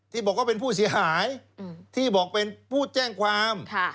ที่บอกว่าเป็นผู้เสียหายที่บอกเป็นผู้แจ้งความ